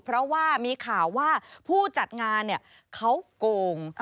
เพราะว่ามีข่าวว่าผู้จัดงานเขาโกง